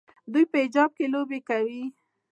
دوی په حجاب کې لوبې کوي.